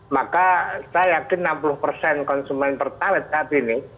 maka saya yakin enam puluh persen konsumen pertalite saat ini